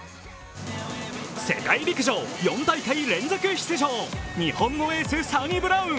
世界陸上４大会連続出場、日本のエース・サニブラウン。